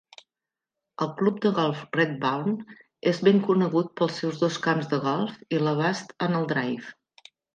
El club de golf Redbourn és ben conegut pels seus dos camps de golf i l'abast en el "drive".